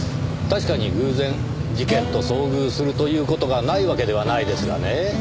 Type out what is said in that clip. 確かに偶然事件と遭遇するという事がないわけではないですがね